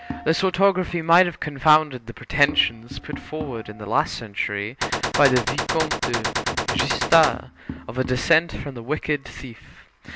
This orthography might have confounded the pretensions put forward in the last century by the Vicomte de Gestas, of a descent from the wicked thief.